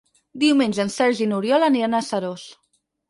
Diumenge en Sergi i n'Oriol aniran a Seròs.